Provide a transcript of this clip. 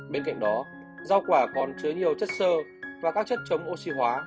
bên cạnh đó rau quả còn chứa nhiều chất sơ và các chất chống oxy hóa